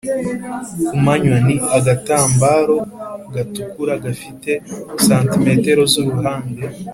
kumanywa:ni agatambaro gatukura gafite cm z’uruhande